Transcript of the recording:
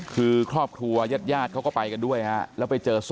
คือครอบครัวยาดเขาก็ไปกันด้วยฮะแล้วไปเจอศพ